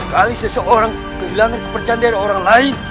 sekali seseorang kehilangan kepercayaan dari orang lain